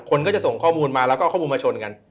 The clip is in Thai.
คนก็จะส่งข้อมูลมาแล้วก็เอาข้อมูลมาชนกัน